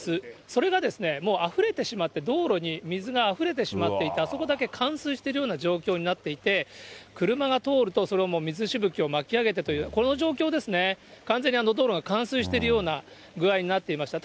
それがもうあふれてしまって、道路に水があふれてしまっていて、あそこだけ冠水している状況になっていて、車が通ると、それが水しぶきを巻き上げてという、この状況ですね、完全に道路が冠水しているような具合になっていました。